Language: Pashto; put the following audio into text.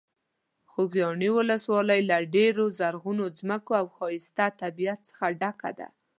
خوږیاڼي ولسوالۍ له ډېرو زرغونو ځمکو او ښایسته طبیعت څخه ډکه ده.